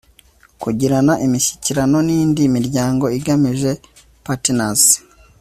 kugirana imishyikirano n indi miryango igamije partners